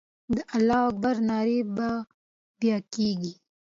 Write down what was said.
د الله اکبر ناره به بیا کېږي.